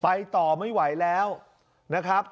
ไปต่อไม่ไหวแล้วนะครับ